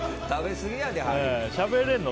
しゃべれるの？